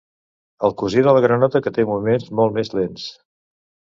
El cosí de la granota que té moviments molt més lents.